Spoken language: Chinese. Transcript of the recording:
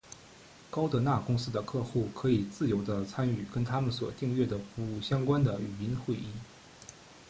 高德纳公司的客户可以自由的参与跟它们所订阅的服务相关的语音会议。